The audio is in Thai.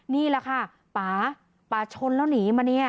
นี่แหละค่ะป๊าป๊าชนแล้วหนีมา